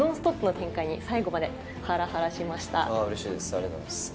ありがとうございます。